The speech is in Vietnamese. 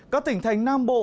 các tỉnh thành nam bộ